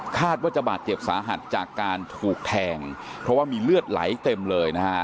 คาดว่าจะบาดเจ็บสาหัสจากการถูกแทงเพราะว่ามีเลือดไหลเต็มเลยนะฮะ